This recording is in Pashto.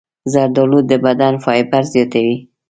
زردالو د بدن فایبر زیاتوي.